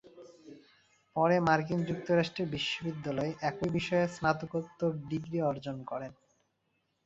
পরে মার্কিন যুক্তরাষ্ট্রের বিশ্ববিদ্যালয়ে একই বিষয়ে স্নাতকোত্তর ডিগ্রি অর্জন করেন।